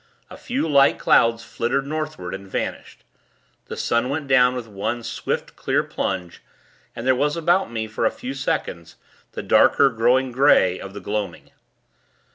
A few light clouds flittered Northward, and vanished. The sun went down with one swift, clear plunge, and there was about me, for a few seconds, the darker growing grey of the gloaming.